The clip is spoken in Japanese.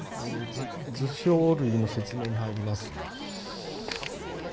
図表類の説明に入ります。